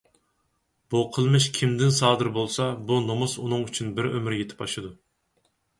بۇ قىلمىش كىمدىن سادىر بولسا بۇ نومۇس ئۇنىڭ ئۈچۈن بىر ئۆمۈر يېتىپ ئاشىدۇ.